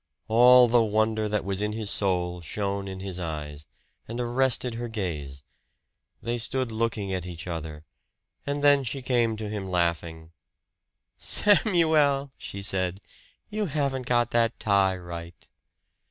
All the wonder that was in his soul shone in his eyes, and arrested her gaze. They stood looking at each other; and then she came to him laughing. "Samuel," she said, "you haven't got that tie right."